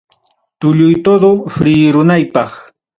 Tulluytodo friyirunaypaq.